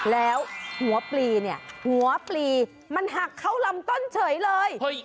แล้วหัวปลีเนี่ยหัวปลีมันหักเข้าลำต้นเฉยเลย